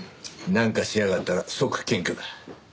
なんかしやがったら即検挙だ。